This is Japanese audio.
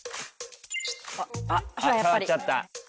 「あっ触っちゃった」